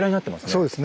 そうですね。